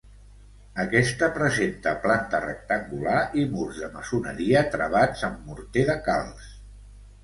Aquesta presenta planta rectangular i murs de maçoneria travats amb morter de calç.